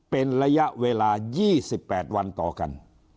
เป็นระยะเวลา๒๘วันต่อกัน